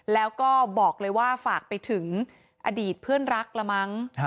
แล้วก็บอกเลยว่าฝากไปถึงอดีตเพื่อนรักละมั้ง